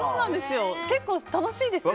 結構楽しいですよ。